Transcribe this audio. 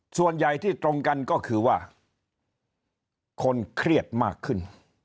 ส่วนใหญ่ที่ตรงกันก็คือว่าคนเครียดมากขึ้น